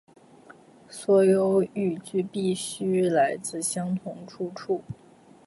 所有语句必须来自相同出处